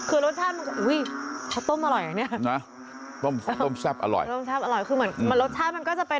อื้มคือรสชาติมันกุ